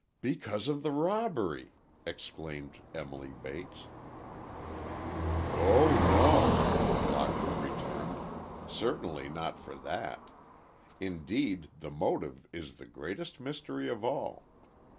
"Because of the robbery!" exclaimed Emily Bates. "Oh, no!" Lockwood returned. "Certainly not for that. Indeed, the motive is the greatest mystery of all.